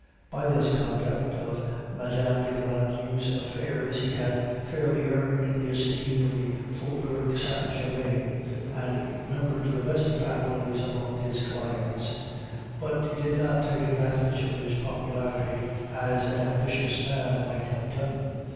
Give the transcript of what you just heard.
By his conduct of Mme. de Grandlieu's affairs he had fairly earned the esteem of the Faubourg Saint Germain, and numbered the best families among his clients; but he did not take advantage of his popularity, as an ambitious man might have done.